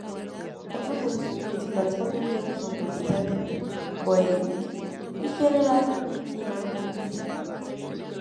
Otros dos de sus principales contribuyentes son, precisamente, Boeing y General Dynamics.